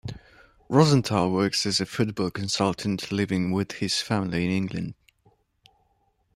Rosenthal works as a "football consultant", living with his family in England.